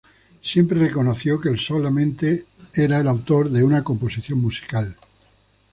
Siempre reconoció que El solamente era el autor de una composición musical.